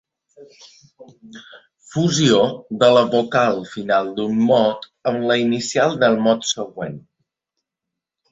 Fusió de la vocal final d'un mot amb la inicial del mot següent.